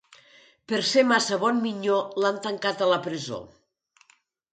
Per ser massa bon minyó l'han tancat a la presó.